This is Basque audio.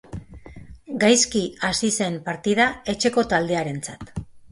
Gaizki hasi zen partida etxeko taldearentzat.